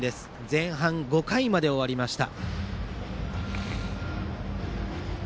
前半５回まで終わりました。